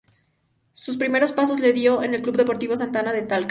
Sus primeros pasos los dio en el club deportivo "Santa Ana" de Talca.